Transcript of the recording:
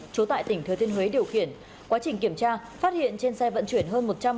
chú tại tỉnh thứa thiên huế điều khiển quá trình kiểm tra phát hiện trên xe vận chuyển hơn